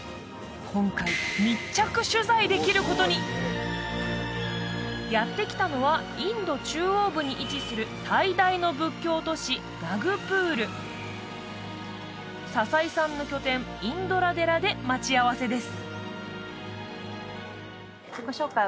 今回密着取材できることにやって来たのはインド中央部に位置する最大の仏教都市佐々井さんの拠点インドラ寺で待ち合わせです